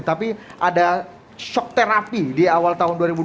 tapi ada shock therapy di awal tahun dua ribu dua puluh